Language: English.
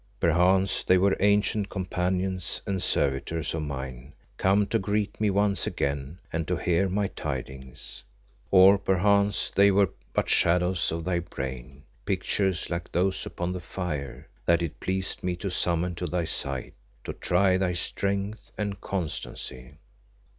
Perchance they were ancient companions and servitors of mine come to greet me once again and to hear my tidings. Or perchance they were but shadows of thy brain, pictures like those upon the fire, that it pleased me to summon to thy sight, to try thy strength and constancy.